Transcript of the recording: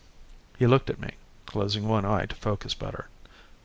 He looked at me, closing one eye to focus better.